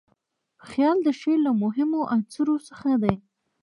خیال د شعر له مهمو عنصرو څخه دئ.